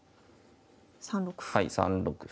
３六歩。